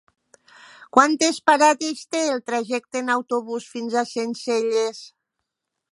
Quantes parades té el trajecte en autobús fins a Sencelles?